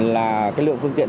là cái lượng phương tiện